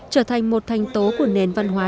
trở thành một thanh tố của nền văn hóa